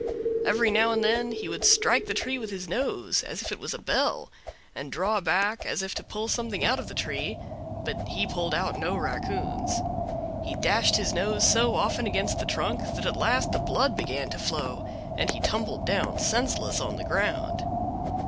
Every now and then he would strike the tree with his nose, as if it was a bell, and draw back as if to pull something out of the tree, but he pulled out no raccoons. He dashed his nose so often against the trunk that at last the blood began to flow, and he tumbled down senseless on the ground.